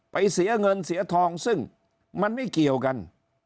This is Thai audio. เสียเงินเสียทองซึ่งมันไม่เกี่ยวกัน